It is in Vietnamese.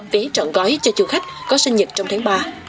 vé trọn gói cho du khách có sinh nhật trong tháng ba